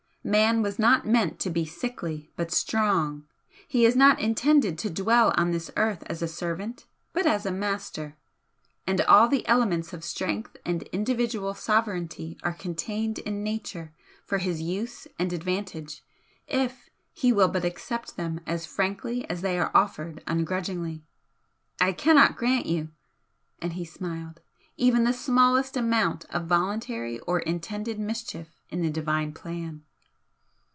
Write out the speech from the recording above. Man was not meant to be sickly, but strong he is not intended to dwell on this earth as a servant but as a master, and all the elements of strength and individual sovereignty are contained in Nature for his use and advantage if he will but accept them as frankly as they are offered ungrudgingly. I cannot grant you " and he smiled "even the smallest amount of voluntary or intended mischief in the Divine plan!"